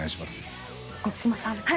満島さん。